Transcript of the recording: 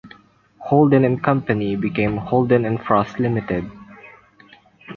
Holden and Co became "Holden and Frost Ltd".